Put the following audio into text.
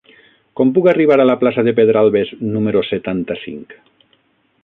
Com puc arribar a la plaça de Pedralbes número setanta-cinc?